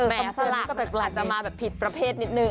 แหมสลักอาจจะมาผิดประเภทนิดนึง